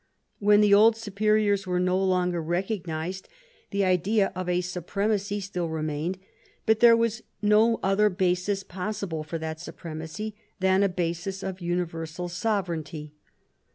When the old superiors were no longer recognised, the idea of a supremacy still remained; but there was no other basis possible for that supremacy than a basis of uni versal sovereignty.